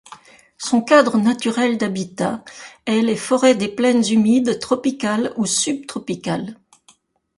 Son cadre naturel d'habitat est les forêts des plaines humides tropicales ou subtropicales.